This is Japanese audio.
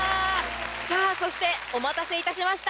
さぁそしてお待たせいたしました。